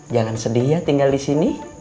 jangan sedih ya tinggal di sini